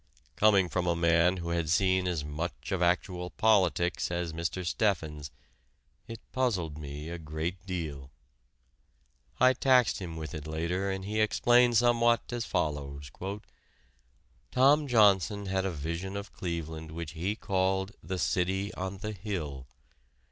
Coming from a man who had seen as much of actual politics as Mr. Steffens, it puzzled me a great deal. I taxed him with it later and he explained somewhat as follows: "Tom Johnson had a vision of Cleveland which he called The City on the Hill.